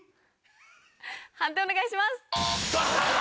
判定お願いします。